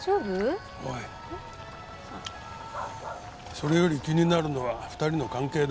それより気になるのは２人の関係だ。